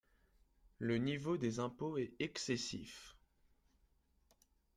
Le niveau des impôts est excessif.